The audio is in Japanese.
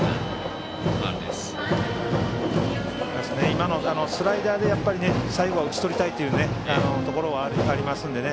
今のスライダーで最後打ち取りたいというところはありますのでね。